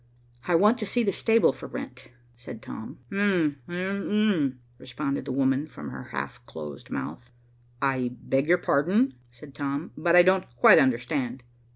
"I want to see the stable for rent," said Tom. "Um um um um," responded the woman, from her half closed mouth. "I beg your pardon," said Tom, "but I don't quite understand."